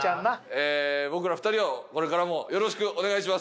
僕ら２人をこれからもよろしくお願いします。